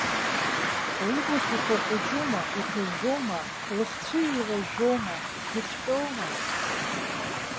Лымаҭәақәа ҟәыҷума, иԥыжәжәоума, лыхцәы еилажәжәоума, дыцәҟьоума?